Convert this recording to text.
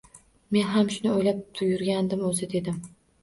— Men ham shuni o’ylab yurgandim o’zi… – dedim